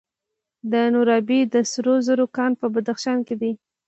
د نورابې د سرو زرو کان په بدخشان کې دی.